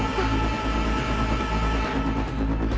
masuk kuliah dulu